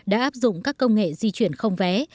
đã áp dụng các công nghệ di chuyển không vé